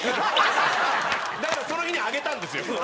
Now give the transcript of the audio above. だからその日にあげたんですよ。